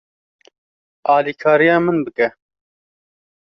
Alîkariya min bike.